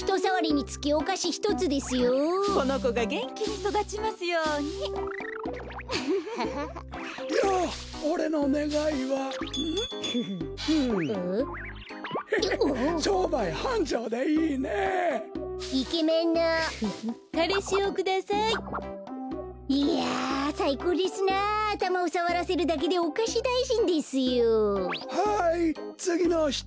はいつぎのひと。